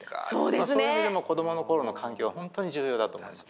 そういう意味でも子どもの頃の環境は本当に重要だと思うんです。